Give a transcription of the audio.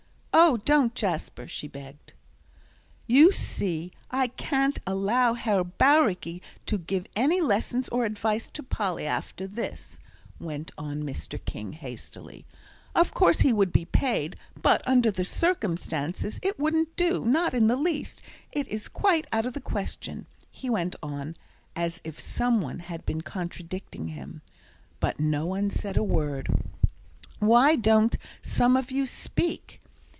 "Oh, don't, Jasper," she begged. "You see I can't allow Herr Bauricke to give any lessons or advice to Polly after this," went on Mr. King, hastily. "Of course he would be paid; but, under the circumstances, it wouldn't do, not in the least. It is quite out of the question," he went on, as if some one had been contradicting him. But no one said a word. "Why don't some of you speak?"